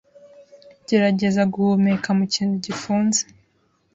Gerageza guhumekera mu kintu gifunze